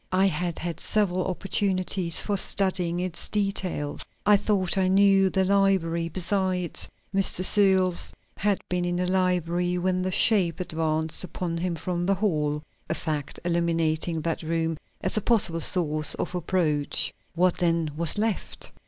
I had had several opportunities for studying its details. I thought I knew the library; besides, Mr. Searles had been in the library when the shape advanced upon him from the hall, a fact eliminating that room as a possible source of approach! What then was left?